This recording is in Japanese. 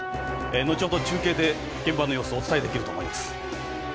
後ほど中継で現場の様子をお伝えできると思います。